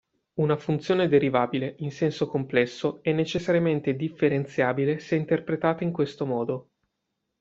Una funzione derivabile in senso complesso è necessariamente differenziabile se interpretata in questo modo.